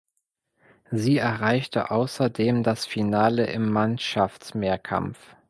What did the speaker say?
Sie erreichte außerdem das Finale im Mannschaftsmehrkampf.